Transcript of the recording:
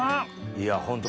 いやホント。